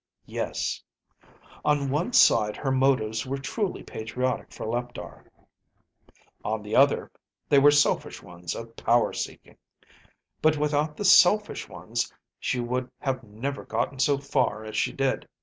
"Yes. On one side her motives were truly patriotic for Leptar. On the other hand they were selfish ones of power seeking. But without the selfish ones, she would have never gotten so far as she did.